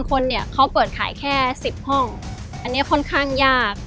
คนเนี่ยเขาเปิดขายแค่๑๐ห้องอันนี้ค่อนข้างยาก